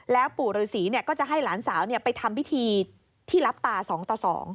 แล้วปู่ฤษีก็จะให้หลานสาวไปทำพิธีที่รับตา๒ต่อ๒